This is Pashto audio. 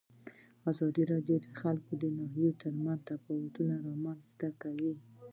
زردالو د افغانستان د ناحیو ترمنځ تفاوتونه رامنځ ته کوي.